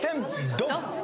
ドン！